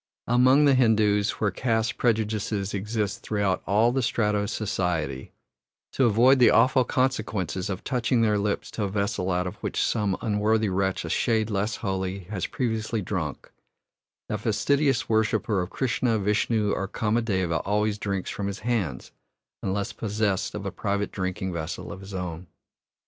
Among the Hindoos, where caste prejudices exist throughout all the strata of society, to avoid the awful consequences of touching their lips to a vessel out of which some unworthy wretch a shade less holy has previously drunk, the fastidious worshipper of Krishna, Vishnu, or Kamadeva always drinks from his hands, unless possessed of a private drinking vessel of his own.